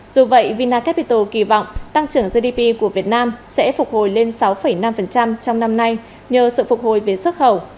dù vậy vinacapital kỳ vọng tăng trưởng gdp của việt nam sẽ phục hồi lên sáu năm trong năm nay nhờ sự phục hồi về xuất khẩu